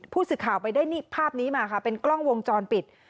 ผู้สื่อข่าวไปได้ภาพนี้มาค่ะเป็นกล้องวงจรปิด